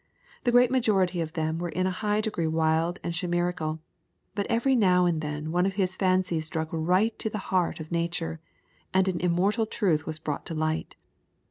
The great majority of them were in a high degree wild and chimerical, but every now and then one of his fancies struck right to the heart of nature, and an immortal truth was brought to light.